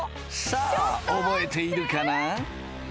さあオボエているかな？